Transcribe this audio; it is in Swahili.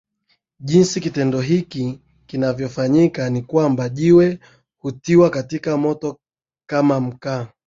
jinsi kitendo hiki kinavyofanyika ni kwamba Jiwe hutiwa katika moto kama mkaaa